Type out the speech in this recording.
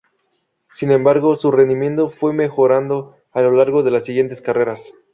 Sin embargo, su rendimiento fue mejorando a lo largo de las siguientes carreras.